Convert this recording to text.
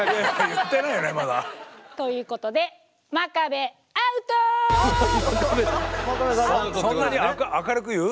言ってないよねまだ。ということでそんなに明るく言う？